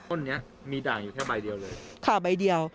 ต้นนี้มีด่างอยู่แค่ใบเดียวเลยค่ะใบเดียว